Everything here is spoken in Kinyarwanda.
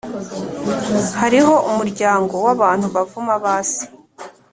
“hariho umuryango w’abantu bavuma ba se